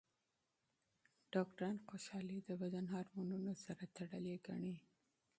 ډاکټران خوشحالي د بدن هورمونونو سره تړلې ګڼي.